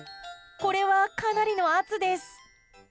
これは、かなりの圧です。